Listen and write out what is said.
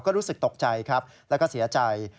ก็รู้สึกตกใจครับแล้วก็เสียใจ